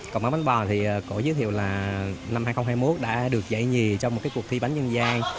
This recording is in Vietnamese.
còn món bánh bò thì cô giới thiệu là năm hai nghìn hai mươi một đã được dạy nhì trong một cuộc thi bánh dân gian